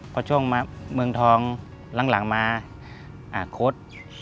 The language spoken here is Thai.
พอช่วงมาเมืองทองหลังมาโค้ด